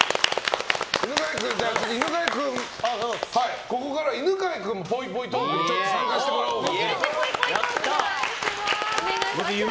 犬飼君、ここからはぽいぽいトークに参加してもらおうかなと。